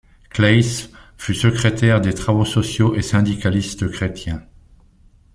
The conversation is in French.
Claeys fut secrétaire des travaux sociaux et syndicaliste chrétien.